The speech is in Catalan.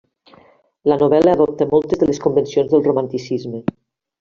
La novel·la adopta moltes de les convencions del romanticisme.